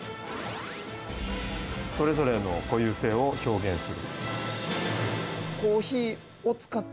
それぞれの固有性を表現する。